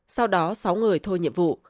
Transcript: sau đó sáu người thôi nhiệm vụ